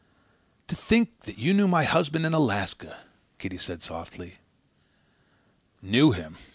"To think that you knew my husband in Alaska!" Kitty said softly. Knew him!